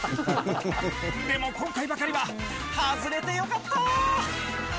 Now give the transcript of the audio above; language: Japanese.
でも、今回ばかりは外れてよかった！